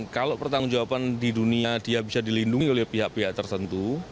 kalau pertanggung jawaban di dunia dia bisa dilindungi oleh pihak pihak tertentu